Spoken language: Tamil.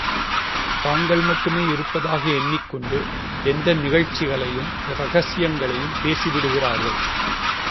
தாங்கள் மட்டுமே இருப்பதாக எண்ணிக்கொண்டு, எந்த நிகழ்ச்சிகளையும்—இரகசியங்களையும் பேசி விடுகிறார்கள்.